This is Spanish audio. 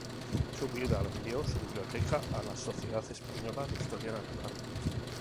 Su viuda vendió su biblioteca a la Sociedad Española de Historia Natural.